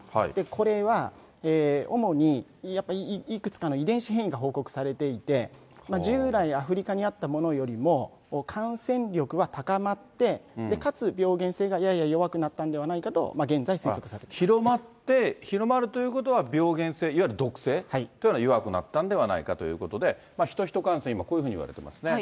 これは主にやっぱりいくつかの遺伝子変異が報告されていて、従来、アフリカにあったものよりも感染力は高まって、かつ病原性がやや弱くなったのではないかと、現在、推測されてい広まって、広まるということは、病原性、いわゆる毒性というのは弱くなったのではないということで、ヒト・ヒト感染、今、こういうふうに言われてますね。